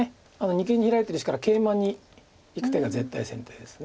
二間にヒラいてる石からケイマにいく手が絶対先手です。